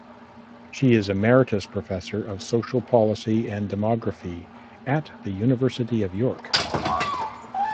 She is Emeritus Professor of Social Policy and Demography at the University of York.